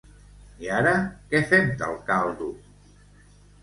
I ara què fem del caldo?